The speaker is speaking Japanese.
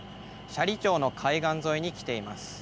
斜里町の海岸沿いに来ています。